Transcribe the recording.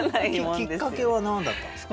きっかけは何だったんですか？